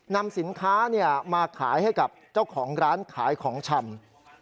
นำสินค้ามาขายให้กับเจ้าของร้านขายของชำ